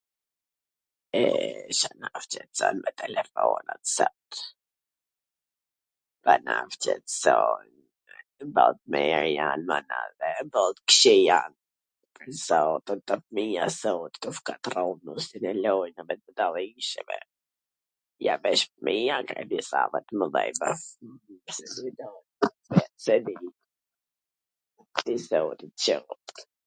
E, Ca na shqetson me telefonat sot? Po na shqetson, boll t mir jan, mana, dhe boll t kwqij jan, pwr zotin, kto fmija sot u shkatrrun, si dhe lojna me ...,